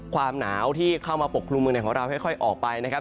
ความหนาวที่เข้ามาปกครุมเมืองในของเราค่อยออกไปนะครับ